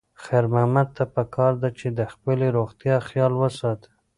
خیر محمد ته پکار ده چې د خپلې روغتیا خیال وساتي.